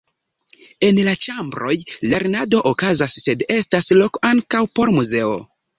En la ĉambroj lernado okazas, sed estas loko ankaŭ por muzeo.